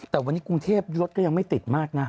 แต่วันนี้กรุงเทพรถก็ยังไม่ติดมากนะ